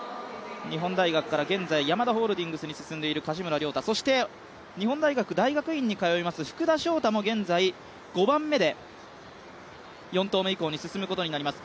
日本大学から現在、ヤマダホールディングスに進んでいる柏村亮太、そして日本大学大学院に通います福田翔大も現在５番目で４投目以降に進むことになります。